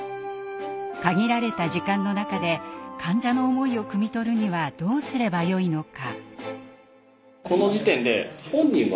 限られた時間の中で患者の思いをくみ取るにはどうすればよいのか。